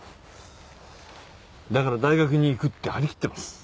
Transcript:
だから大学に行くって張り切ってます。